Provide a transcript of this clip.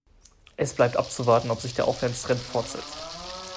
Es bleibt abzuwarten, ob sich der Aufwärtstrend fortsetzt.